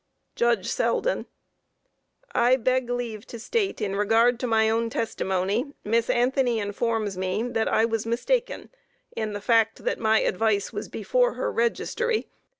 JUDGE SELDEN: I beg leave to state, in regard to my own testimony, Miss Anthony informs me that I was mistaken in the fact that my advice was before her registry.